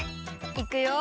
いくよ！